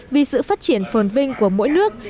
vì sự phát triển phồn vinh của mỗi nước